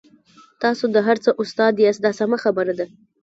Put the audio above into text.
تاسو د هر څه استاد یاست دا سمه خبره ده.